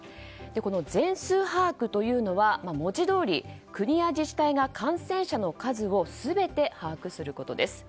この全数把握というのは文字どおり国や自治体が感染者の数を全て把握することです。